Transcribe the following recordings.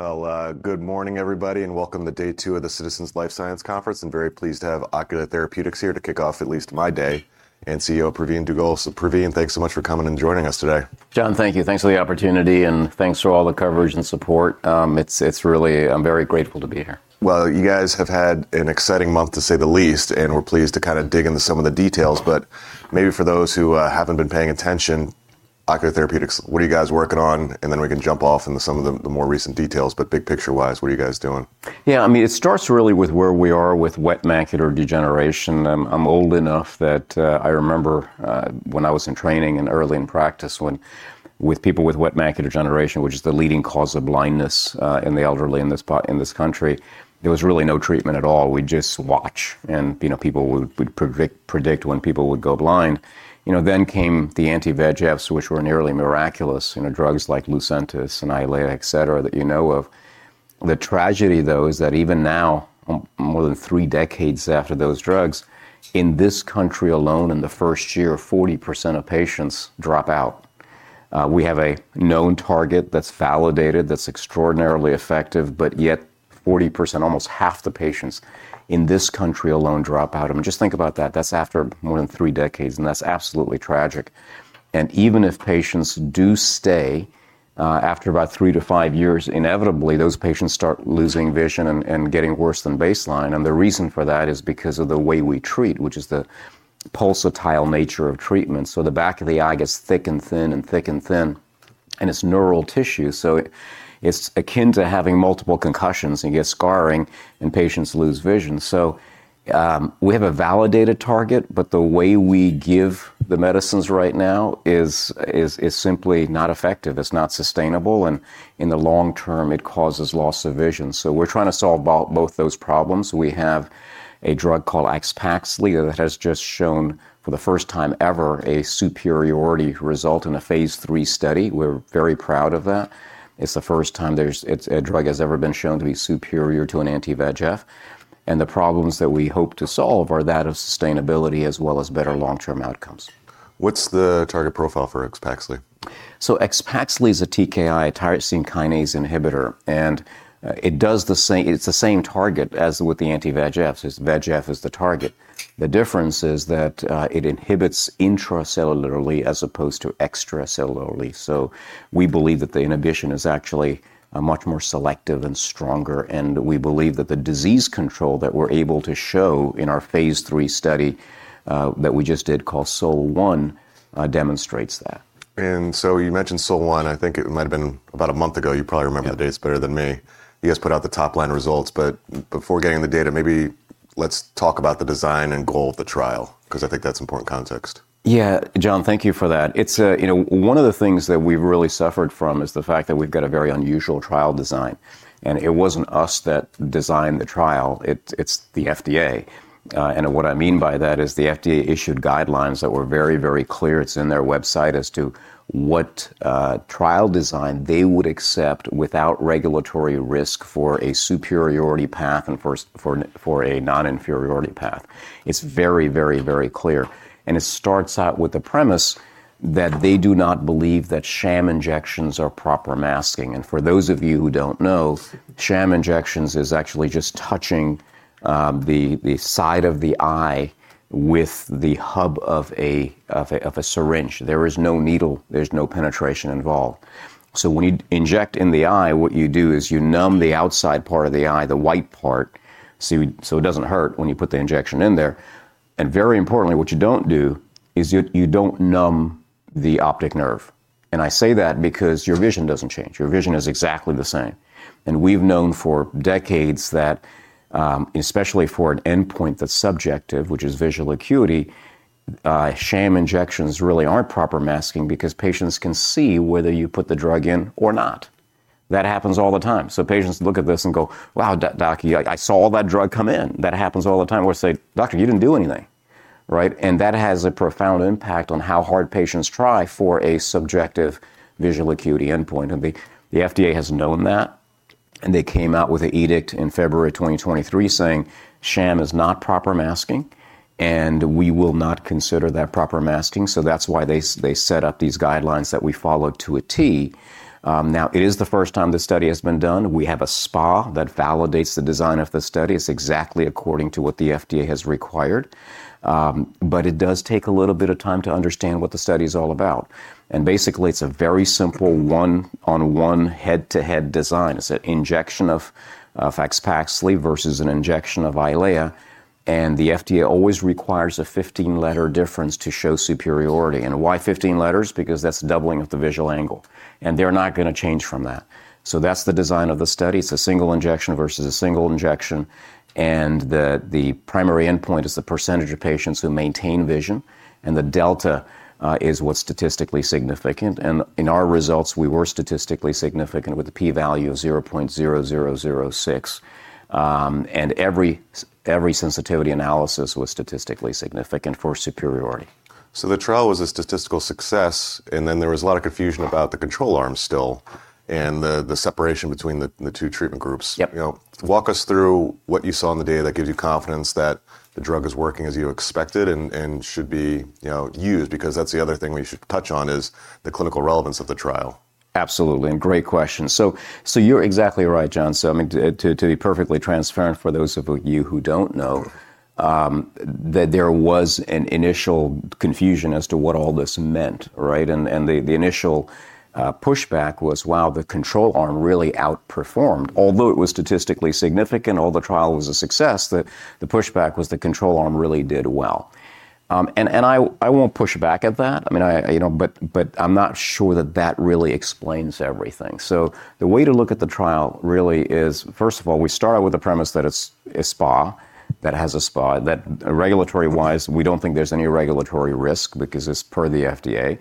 Well, good morning, everybody and welcome to day two of the Citizens Life Sciences Conference. I'm very pleased to have Ocular Therapeutix here to kick off at least my day and CEO, Pravin U. Dugel. Pravin, thanks so much for coming and joining us today. John, thank you. Thanks for the opportunity and thanks for all the coverage and support. I'm very grateful to be here. Well, you guys have had an exciting month to say the least and we're pleased to kind of dig into some of the details. But maybe for those who haven't been paying attention, Ocular Therapeutix, what are you guys working on? And then we can jump off into some of the more recent details. But big picture-wise, what are you guys doing? Yeah, I mean it starts really with where we are with wet macular degeneration. I'm old enough that I remember when I was in training and early in practice when with people with wet macular degeneration, which is the leading cause of blindness in the elderly in this country, there was really no treatment at all. We'd just watch and, you know, people would predict when people would go blind. You know, then came the anti-VEGFs which were nearly miraculous, you know, drugs like Lucentis and Eylea, et cetera, that you know of. The tragedy though is that even now, more than three decades after those drugs, in this country alone in the first year, 40% of patients drop out. We have a known target that's validated, that's extraordinarily effective but yet 40%, almost half the patients in this country alone drop out. I mean, just think about that. That's after more than three decades and that's absolutely tragic. Even if patients do stay, after about three-five years, inevitably those patients start losing vision and getting worse than baseline and the reason for that is because of the way we treat, which is the pulsatile nature of treatment, so the back of the eye gets thick and thin and thick and thin. It's neural tissue, so it's akin to having multiple concussions and you get scarring and patients lose vision. We have a validated target but the way we give the medicines right now is simply not effective. It's not sustainable and in the long term it causes loss of vision. We're trying to solve both those problems. We have a drug called AXPAXLI that has just shown for the first time ever a superiority result in a phase III study. We're very proud of that. It's the first time a drug has ever been shown to be superior to an anti-VEGF. The problems that we hope to solve are that of sustainability as well as better long-term outcomes. What's the target profile for AXPAXLI? AXPAXLI's a TKI, tyrosine kinase inhibitor and it does the same it's the same target as with the anti-VEGFs, VEGF is the target. The difference is that it inhibits intracellularly as opposed to extracellularly. We believe that the inhibition is actually much more selective and stronger and we believe that the disease control that we're able to show in our phase III study that we just did called SOL-1 demonstrates that. You mentioned SOL-1, I think it might have been about a month ago. You probably remember the dates better than me. You guys put out the top line results, before getting the data, maybe let's talk about the design and goal of the trial, 'cause I think that's important context. Yeah. John, thank you for that. It's you know, one of the things that we've really suffered from is the fact that we've got a very unusual trial design and it wasn't us that designed the trial, it's the FDA. What I mean by that is the FDA issued guidelines that were very, very clear, it's in their website, as to what trial design they would accept without regulatory risk for a superiority path and for a non-inferiority path. It's very, very, very clear and it starts out with the premise that they do not believe that sham injections are proper masking. For those of you who don't know, sham injections is actually just touching the side of the eye with the hub of a syringe. There is no needle, there's no penetration involved. When you inject in the eye, what you do is you numb the outside part of the eye, the white part, so it doesn't hurt when you put the injection in there. Very importantly, what you don't do is you don't numb the optic nerve and I say that because your vision doesn't change. Your vision is exactly the same. We've known for decades that, especially for an endpoint that's subjective, which is visual acuity, sham injections really aren't proper masking because patients can see whether you put the drug in or not. That happens all the time. Patients look at this and go, "Wow, doc, I saw that drug come in." That happens all the time. Or say, "Doctor, you didn't do anything." Right? That has a profound impact on how hard patients try for a subjective visual acuity endpoint. The FDA has known that and they came out with an edict in February 2023 saying sham is not proper masking and we will not consider that proper masking. That's why they set up these guidelines that we followed to a T. Now it is the first time this study has been done. We have a SPA that validates the design of the study. It's exactly according to what the FDA has required. It does take a little bit of time to understand what the study's all about. Basically, it's a very simple one-on-one, head-to-head design. It's an injection of AXPAXLI versus an injection of Eylea and the FDA always requires a 15-letter difference to show superiority. Why 15 letters? Because that's doubling of the visual angle and they're not gonna change from that. That's the design of the study. It's a single injection versus a single injection and the primary endpoint is the percentage of patients who maintain vision and the delta is what's statistically significant. In our results, we were statistically significant with the p-value of 0.0006. Every sensitivity analysis was statistically significant for superiority. The trial was a statistical success and then there was a lot of confusion about the control arm still and the separation between the two treatment groups. You know, walk us through what you saw in the data that gives you confidence that the drug is working as you expected and should be, you know, used. Because that's the other thing we should touch on, is the clinical relevance of the trial. Absolutely. Great question. You're exactly right, John. I mean, to be perfectly transparent for those of you who don't know that there was an initial confusion as to what all this meant, right? The initial pushback was, wow, the control arm really outperformed. Although it was statistically significant, although the trial was a success, the pushback was the control arm really did well. I won't push back at that. I mean, you know. I'm not sure that that really explains everything. The way to look at the trial really is, first of all, we start out with the premise that it's a SPA, that it has a SPA, that regulatory-wise, we don't think there's any regulatory risk because it's per the FDA.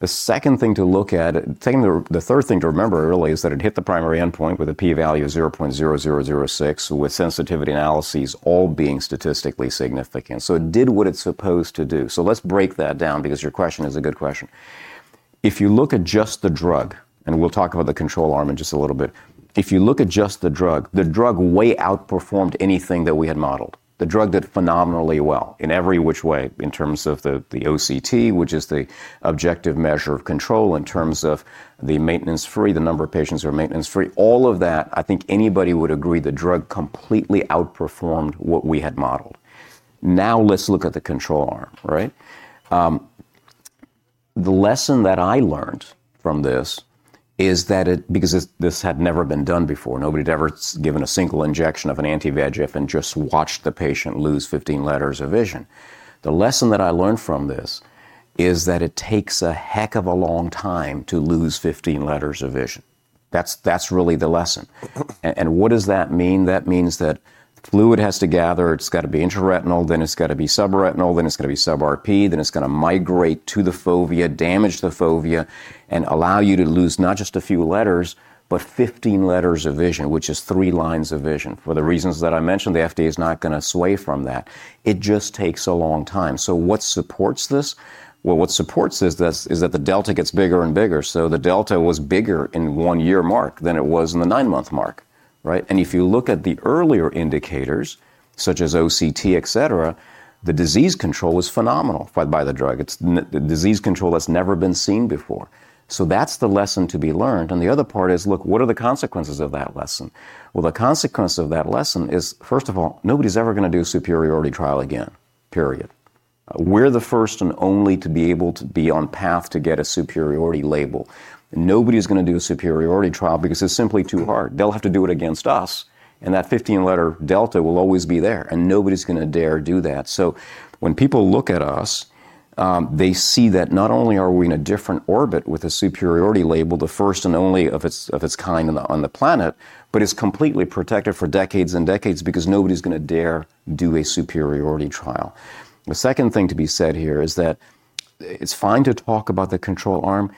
The second thing to look at. Second or the third thing to remember really is that it hit the primary endpoint with a p-value of 0.0006 with sensitivity analyses all being statistically significant. It did what it's supposed to do. Let's break that down because your question is a good question. If you look at just the drug and we'll talk about the control arm in just a little bit, if you look at just the drug, the drug way outperformed anything that we had modeled. The drug did phenomenally well in every which way in terms of the OCT, which is the objective measure of control, in terms of the maintenance-free, the number of patients who are maintenance-free. All of that, I think anybody would agree the drug completely outperformed what we had modeled. Now let's look at the control arm, right? The lesson that I learned from this is that because this had never been done before. Nobody had ever given a single injection of an anti-VEGF and just watched the patient lose 15 letters of vision. The lesson that I learned from this is that it takes a heck of a long time to lose 15 letters of vision. That's really the lesson. What does that mean? That means that fluid has to gather, it's gotta be intraretinal, then it's gotta be subretinal, then it's gotta be sub-RPE, then it's gotta migrate to the fovea, damage the fovea and allow you to lose not just a few letters but 15 letters of vision, which is three lines of vision. For the reasons that I mentioned, the FDA is not gonna sway from that. It just takes a long time. What supports this? Well, what supports this is that the delta gets bigger and bigger. The delta was bigger in one-year mark than it was in the nine-month mark, right? If you look at the earlier indicators, such as OCT, et cetera, the disease control was phenomenal by the drug. It's disease control that's never been seen before. That's the lesson to be learned. The other part is, look, what are the consequences of that lesson? Well, the consequence of that lesson is, first of all, nobody's ever gonna do a superiority trial again, period. We're the first and only to be able to be on path to get a superiority label. Nobody's gonna do a superiority trial because it's simply too hard. They'll have to do it against us and that 15-letter delta will always be there and nobody's gonna dare do that. When people look at us, they see that not only are we in a different orbit with a superiority label, the first and only of its kind on the planet but it's completely protected for decades and decades because nobody's gonna dare do a superiority trial. The second thing to be said here is that it's fine to talk about the control arm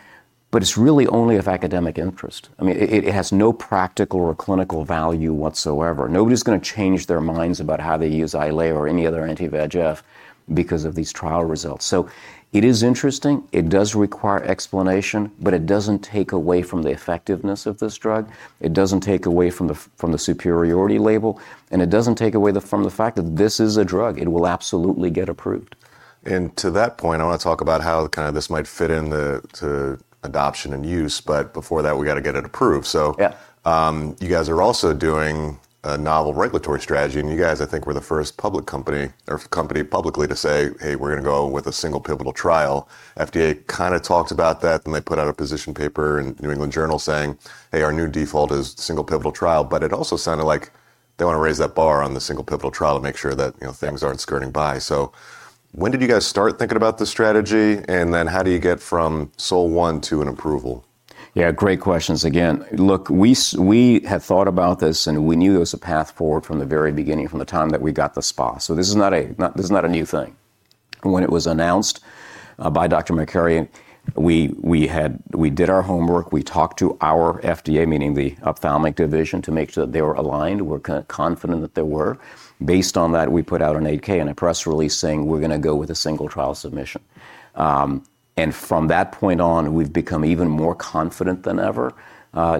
but it's really only of academic interest. I mean, it has no practical or clinical value whatsoever. Nobody's gonna change their minds about how they use Eylea or any other anti-VEGF because of these trial results. It is interesting. It does require explanation but it doesn't take away from the effectiveness of this drug. It doesn't take away from the superiority label and it doesn't take away from the fact that this is a drug. It will absolutely get approved. To that point, I want to talk about how kind of this might fit into adoption and use but before that, we got to get it approved. You guys are also doing a novel regulatory strategy and you guys, I think, were the first public company publicly to say, "Hey, we're gonna go with a single pivotal trial." FDA kind of talked about that, then they put out a position paper in the New England Journal saying, "Hey, our new default is single pivotal trial," but it also sounded like they want to raise that bar on the single pivotal trial to make sure that, you know, things aren't skirting by. When did you guys start thinking about this strategy and then how do you get from SOL-1 to an approval? Yeah, great questions again. Look, we had thought about this and we knew there was a path forward from the very beginning, from the time that we got the SPA. This is not a new thing. When it was announced by Dr. Califf, we had. We did our homework, we talked to our FDA, meaning the ophthalmic division, to make sure that they were aligned. We're confident that they were. Based on that, we put out an 8-K and a press release saying we're gonna go with a single trial submission. From that point on, we've become even more confident than ever.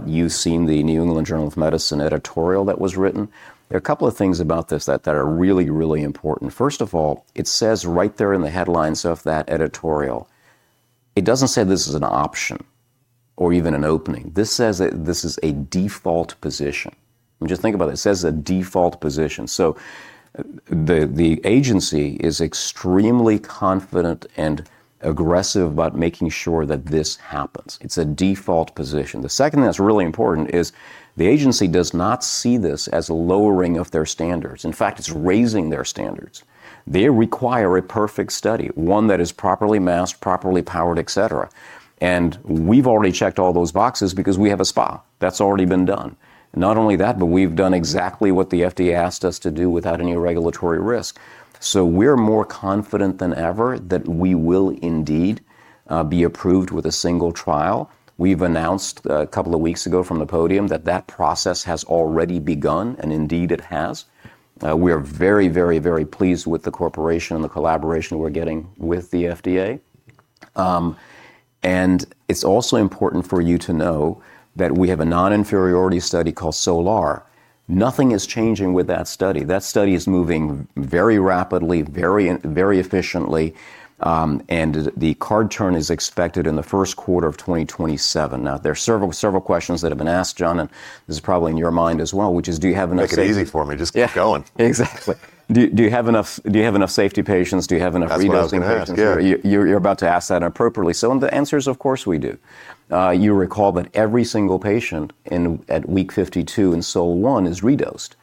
You've seen the New England Journal of Medicine editorial that was written. There are a couple of things about this that are really important. First of all, it says right there in the headlines of that editorial. It doesn't say this is an option or even an opening. This says it, this is a default position. Just think about it. It says a default position. The agency is extremely confident and aggressive about making sure that this happens. It's a default position. The second that's really important is the agency does not see this as a lowering of their standards. In fact, it's raising their standards. They require a perfect study, one that is properly masked, properly powered, et cetera. We've already checked all those boxes because we have a SPA. That's already been done. Not only that but we've done exactly what the FDA asked us to do without any regulatory risk. We're more confident than ever that we will indeed be approved with a single trial. We've announced a couple of weeks ago from the podium that that process has already begun and indeed it has. We are very pleased with the interaction and the collaboration we're getting with the FDA. It's also important for you to know that we have a non-inferiority study called SOLAR. Nothing is changing with that study. That study is moving very rapidly, very efficiently and the readout is expected in the first quarter of 2027. Now, there are several questions that have been asked, John and this is probably in your mind as well, which is do you have enough safety? Make it easy for me. Just keep going. Yeah. Exactly. Do you have enough safety patients? Do you have enough redosing patients? That's what I was gonna ask. Yeah. You're about to ask that appropriately. The answer is of course we do. You recall that every single patient in at week 52 in SOL-1 is re-dosed.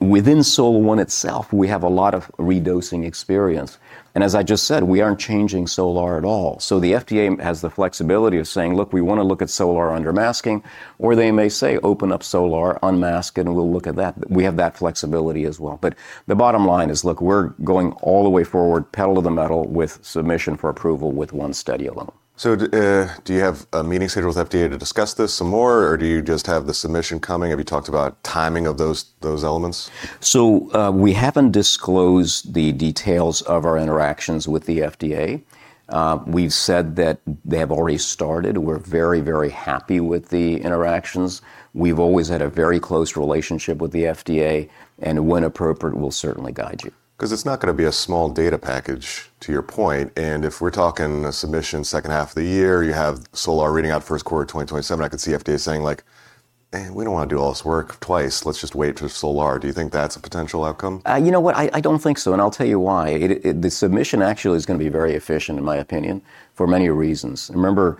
Within SOL-1 itself, we have a lot of redosing experience. As I just said, we aren't changing SOLAR at all. The FDA has the flexibility of saying, "Look, we wanna look at SOLAR under masking," or they may say, "Open up SOLAR, unmask and we'll look at that." We have that flexibility as well. The bottom line is, look, we're going all the way forward, pedal to the metal with submission for approval with one study alone. Do you have a meeting scheduled with FDA to discuss this some more or do you just have the submission coming? Have you talked about timing of those elements? We haven't disclosed the details of our interactions with the FDA. We've said that they have already started. We're very, very happy with the interactions. We've always had a very close relationship with the FDA and when appropriate, we'll certainly guide you. 'Cause it's not gonna be a small data package, to your point and if we're talking a submission second half of the year, you have SOLAR reading out first quarter of 2027, I could see FDA saying, like, "Eh, we don't wanna do all this work twice. Let's just wait till SOLAR." Do you think that's a potential outcome? You know what? I don't think so and I'll tell you why. The submission actually is gonna be very efficient in my opinion for many reasons. Remember,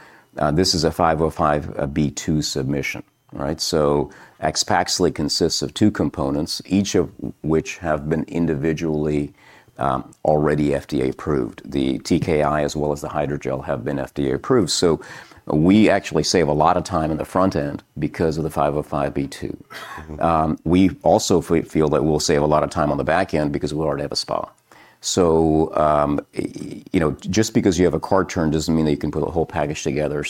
this is a 505 submission. All right? AXPAXLI consists of two components, each of which have been individually already FDA approved. The TKI as well as the hydrogel have been FDA approved. We actually save a lot of time in the front end because of the 505. We also feel that we'll save a lot of time on the back end because we already have a SPA. You know, just because you have a quarter turn doesn't mean that you can put a whole package together.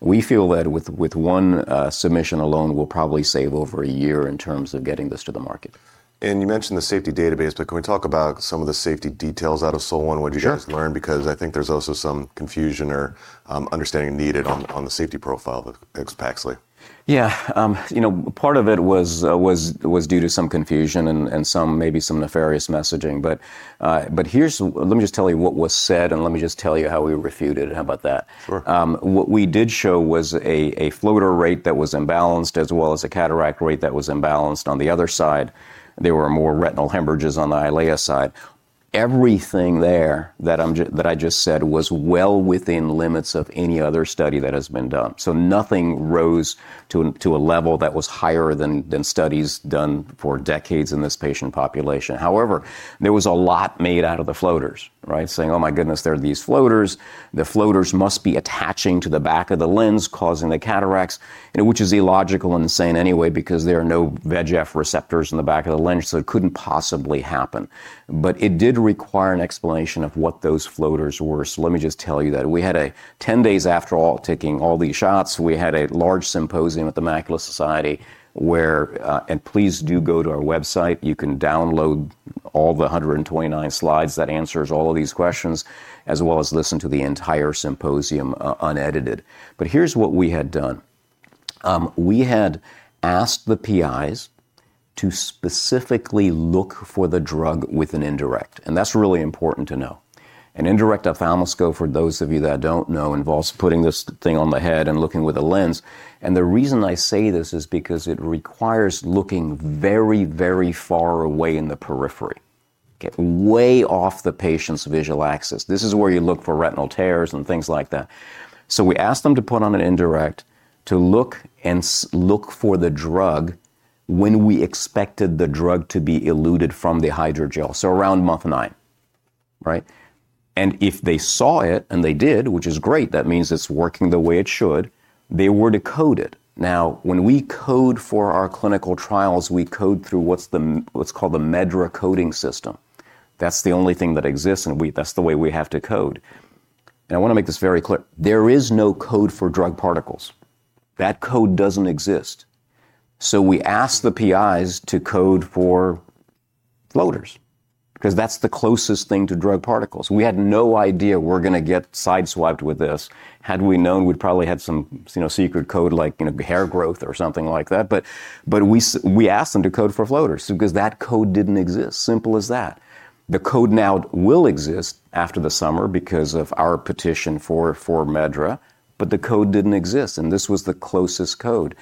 We feel that with one submission alone, we'll probably save over a year in terms of getting this to the market. You mentioned the safety database but can we talk about some of the safety details out of SOL-1? What'd you guys learn? Because I think there's also some confusion or understanding needed on the safety profile of AXPAXLI. Yeah. You know, part of it was due to some confusion and some maybe some nefarious messaging but here's. Let me just tell you what was said and let me just tell you how we refute it. How about that? What we did show was a floater rate that was imbalanced as well as a cataract rate that was imbalanced on the other side. There were more retinal hemorrhages on the Eylea side. Everything there that I just said was well within limits of any other study that has been done. Nothing rose to a level that was higher than studies done for decades in this patient population. However, there was a lot made out of the floaters, right? Saying, "Oh, my goodness, there are these floaters. The floaters must be attaching to the back of the lens causing the cataracts," you know, which is illogical and insane anyway because there are no VEGF receptors in the back of the lens, so it couldn't possibly happen. It did require an explanation of what those floaters were, so let me just tell you that. We had 10 days after all, taking all these shots, we had a large symposium at the Macula Society where. Please do go to our website. You can download all the 129 slides that answers all of these questions as well as listen to the entire symposium unedited. Here's what we had done. We had asked the PIs to specifically look for the drug with an indirect and that's really important to know. An indirect ophthalmoscope, for those of you that don't know, involves putting this thing on the head and looking with a lens and the reason I say this is because it requires looking very, very far away in the periphery, get way off the patient's visual axis. This is where you look for retinal tears and things like that. We asked them to put on an indirect to look and look for the drug when we expected the drug to be eluted from the hydrogel, so around month nine. Right? If they saw it and they did, which is great that means it's working the way it should, they were to code it. Now, when we code for our clinical trials, we code through what's called the MedDRA coding system. That's the only thing that exists and that's the way we have to code. I wanna make this very clear. There is no code for drug particles. That code doesn't exist. We asked the PIs to code for floaters because that's the closest thing to drug particles. We had no idea we're gonna get sideswiped with this. Had we known, we'd probably had some, you know, secret code like, you know, hair growth or something like that but we asked them to code for floaters because that code didn't exist. Simple as that. The code now will exist after the summer because of our petition for MedDRA but the code didn't exist and this was the closest code.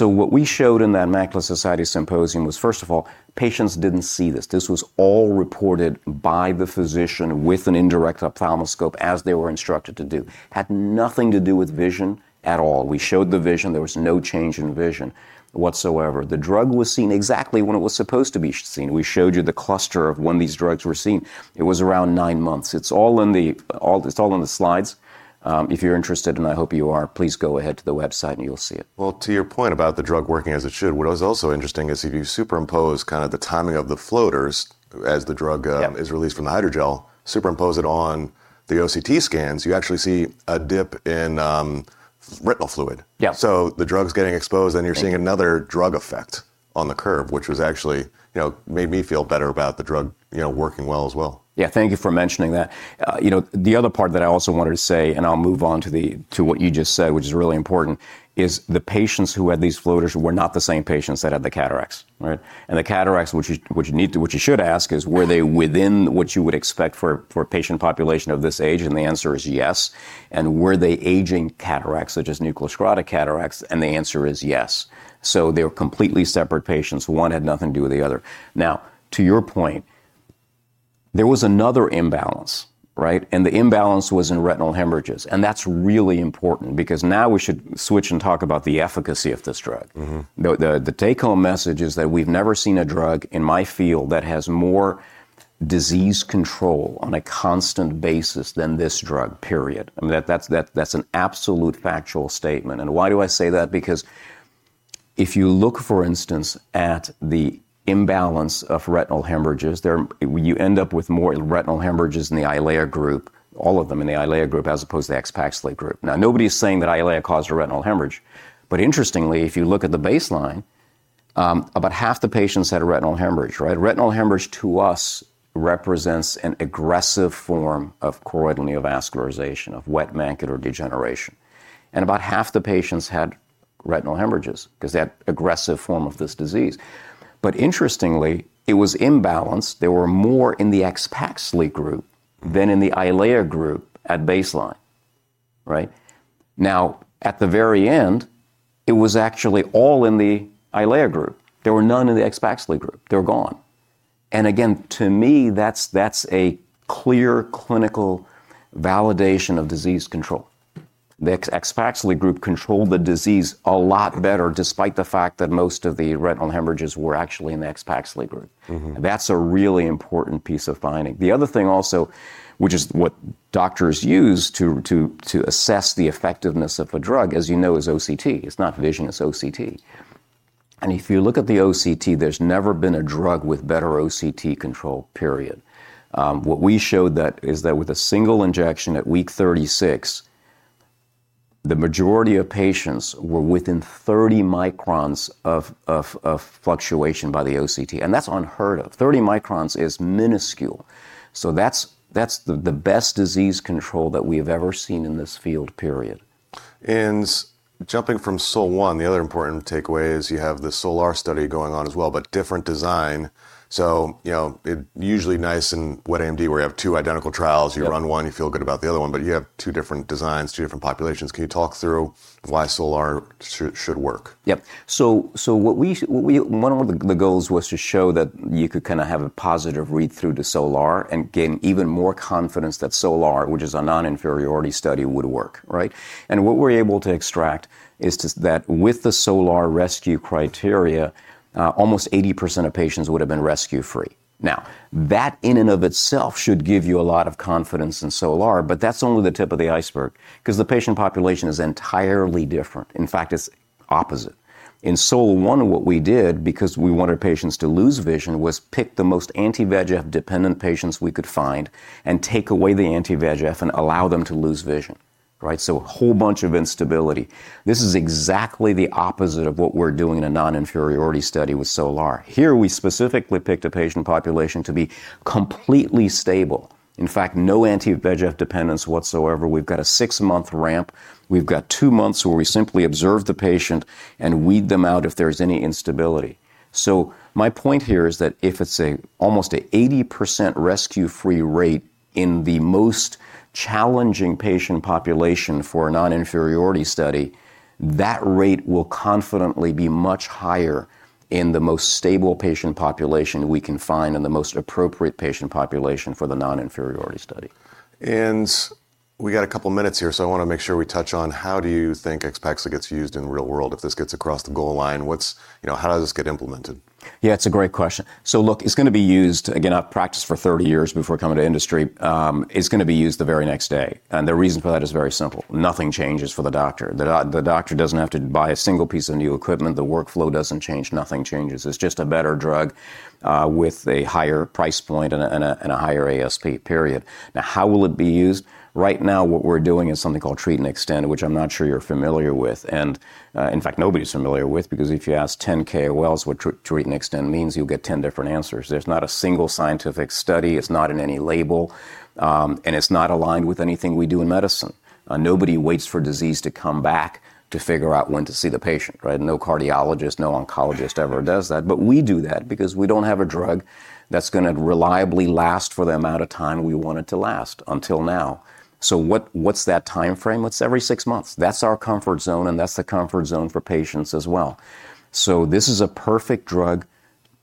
What we showed in that Macula Society symposium was, first of all, patients didn't see this. This was all reported by the physician with an indirect ophthalmoscope as they were instructed to do. Had nothing to do with vision at all. We showed the vision. There was no change in vision whatsoever. The drug was seen exactly when it was supposed to be seen. We showed you the cluster of when these drugs were seen. It was around nine months. It's all in the slides. If you're interested and I hope you are, please go ahead to the website and you'll see it. Well, to your point about the drug working as it should, what is also interesting is if you superimpose kind of the timing of the floaters as the drug is released from the hydrogel, superimpose it on the OCT scans, you actually see a dip in, retinal fluid. The drug's getting exposed. You're seeing another drug effect. On the curve, which was actually, you know, made me feel better about the drug, you know, working well as well. Yeah. Thank you for mentioning that. You know, the other part that I also wanted to say and I'll move on to what you just said, which is really important, is the patients who had these floaters were not the same patients that had the cataracts, right? The cataracts, which you should ask is were they within what you would expect for a patient population of this age? The answer is yes. Were they aging cataracts, such as nuclear sclerotic cataracts? The answer is yes. They were completely separate patients. One had nothing to do with the other. Now, to your point, there was another imbalance, right? The imbalance was in retinal hemorrhages and that's really important because now we should switch and talk about the efficacy of this drug. The take home message is that we've never seen a drug in my field that has more disease control on a constant basis than this drug, period. I mean, that's an absolute factual statement. Why do I say that? Because if you look, for instance, at the imbalance of retinal hemorrhages, you end up with more retinal hemorrhages in the Eylea group, all of them in the Eylea group, as opposed to the AXPAXLI group. Now, nobody is saying that Eylea caused a retinal hemorrhage. Interestingly, if you look at the baseline, about half the patients had a retinal hemorrhage, right? Retinal hemorrhage to us represents an aggressive form of choroidal neovascularization, of wet macular degeneration and about half the patients had retinal hemorrhages because of that aggressive form of this disease. Interestingly, it was imbalanced. There were more in the AXPAXLI group than in the Eylea group at baseline, right? Now, at the very end, it was actually all in the Eylea group. There were none in the AXPAXLI group. They were gone. Again, to me, that's a clear clinical validation of disease control. The AXPAXLI group controlled the disease a lot better, despite the fact that most of the retinal hemorrhages were actually in the AXPAXLI group. That's a really important piece of finding. The other thing also, which is what doctors use to assess the effectiveness of a drug, as you know, is OCT. It's not vision, it's OCT. If you look at the OCT, there's never been a drug with better OCT control, period. What we showed that is that with a single injection at week 36, the majority of patients were within 30 microns of fluctuation by the OCT and that's unheard of. 30 microns is minuscule. That's the best disease control that we've ever seen in this field, period. Jumping from SOL-1, the other important takeaway is you have the SOLAR study going on as well but different design. You know, it's usually nice in wet AMD where you have two identical trials. You run one, you feel good about the other one but you have two different designs, two different populations. Can you talk through why SOLAR should work? Yep. One of the goals was to show that you could kind of have a positive read-through to SOLAR and gain even more confidence that SOLAR, which is a non-inferiority study, would work, right? What we're able to extract is just that with the SOLAR rescue criteria, almost 80% of patients would have been rescue-free. Now, that in and of itself should give you a lot of confidence in SOLAR but that's only the tip of the iceberg because the patient population is entirely different. In fact, it's opposite. In SOL-1 what we did, because we wanted patients to lose vision, was pick the most anti-VEGF dependent patients we could find and take away the anti-VEGF and allow them to lose vision, right? A whole bunch of instability. This is exactly the opposite of what we're doing in a non-inferiority study with SOLAR. Here we specifically picked a patient population to be completely stable. In fact, no anti-VEGF dependence whatsoever. We've got a six-month ramp. We've got two months where we simply observe the patient and weed them out if there's any instability. My point here is that if it's almost an 80% rescue-free rate in the most challenging patient population for a non-inferiority study, that rate will confidently be much higher in the most stable patient population we can find and the most appropriate patient population for the non-inferiority study. We got a couple minutes here, so I want to make sure we touch on how do you think AXPAXLI gets used in the real world? If this gets across the goal line, what's, you know, how does this get implemented? Yeah, it's a great question. Look, it's going to be used. Again, I've practiced for 30 years before coming to industry. It's going to be used the very next day and the reason for that is very simple. Nothing changes for the doctor. The doctor doesn't have to buy a single piece of new equipment. The workflow doesn't change. Nothing changes. It's just a better drug with a higher price point and a higher ASP, period. Now, how will it be used? Right now, what we're doing is something called treat and extend, which I'm not sure you're familiar with and in fact, nobody's familiar with, because if you ask 10 KOLs what treat and extend means, you'll get 10 different answers. There's not a single scientific study, it's not in any label and it's not aligned with anything we do in medicine. Nobody waits for disease to come back to figure out when to see the patient, right? No cardiologist, no oncologist ever does that. We do that because we don't have a drug that's going to reliably last for the amount of time we want it to last, until now. What's that timeframe? It's every six months. That's our comfort zone and that's the comfort zone for patients as well. This is a perfect drug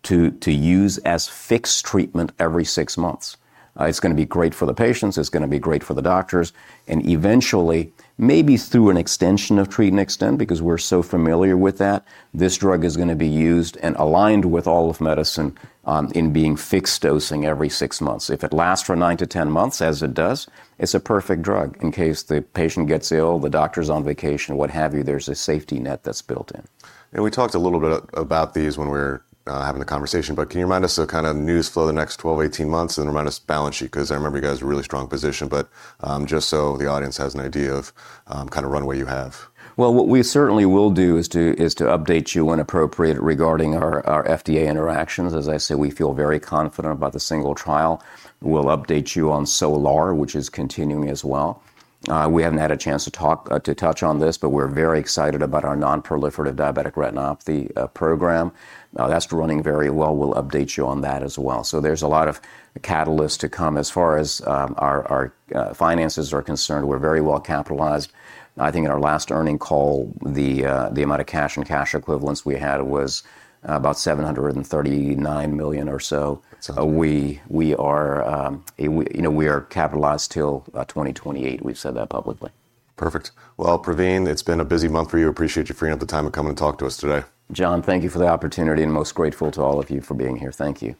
to use as fixed treatment every six months. It's going to be great for the patients, it's going to be great for the doctors and eventually, maybe through an extension of treat and extend because we're so familiar with that, this drug is going to be used and aligned with all of medicine, in being fixed dosing every six months. If it lasts for nine to 10 months, as it does, it's a perfect drug in case the patient gets ill, the doctor's on vacation, what have you. There's a safety net that's built in. We talked a little bit about these when we were having the conversation but can you remind us the kind of news flow the next 12, 18 months and remind us balance sheet? Because I remember you guys had a really strong position but just so the audience has an idea of kind of runway you have. Well, what we certainly will do is to update you when appropriate regarding our FDA interactions. As I say, we feel very confident about the single trial. We'll update you on SOLAR, which is continuing as well. We haven't had a chance to touch on this but we're very excited about our non-proliferative diabetic retinopathy program. That's running very well. We'll update you on that as well. There's a lot of catalysts to come. As far as our finances are concerned, we're very well capitalized. I think in our last earnings call, the amount of cash and cash equivalents we had was about $739 million or so. We are, you know, we are capitalized till 2028. We've said that publicly. Perfect. Well, Pravin, it's been a busy month for you. Appreciate you freeing up the time to come and talk to us today. John, thank you for the opportunity and most grateful to all of you for being here. Thank you.